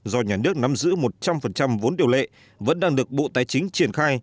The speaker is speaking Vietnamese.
do nhà nước nắm giữ một trăm linh vốn điều lệ vẫn đang được bộ tài chính triển khai